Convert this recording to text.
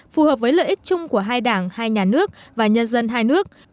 phù hợp với lợi ích chung của hai đảng hai nhà nước và nhân dân hai nước